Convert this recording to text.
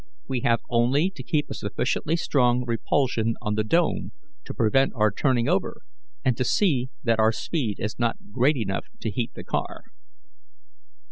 We have only to keep a sufficiently strong repulsion on the dome to prevent our turning over, and to see that our speed is not great enough to heat the car."